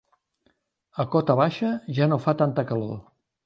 A cota baixa ja no fa tanta calor.